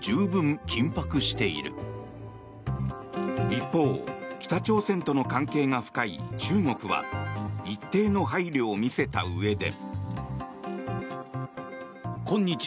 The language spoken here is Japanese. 一方、北朝鮮との関係が深い中国は一定の配慮を見せたうえで。